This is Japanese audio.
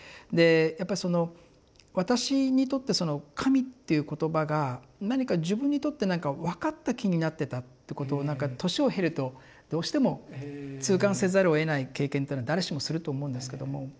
でやっぱりその私にとってその「神」っていう言葉が何か自分にとってなんか分かった気になってたってことをなんか年を経るとどうしても痛感せざるをえない経験っていうのは誰しもすると思うんですけども。